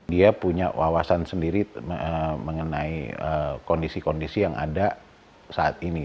dia punya wawasan sendiri mengenai kondisi kondisi yang ada saat ini